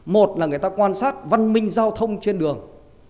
một là người ta quan sát văn minh giao thông trên đường